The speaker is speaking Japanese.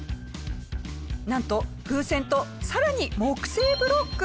なんと風船と更に木製ブロック。